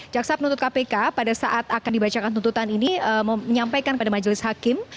jaksa penuntut kpk pada saat akan dibacakan tuntutan ini menyampaikan pada majelis hakim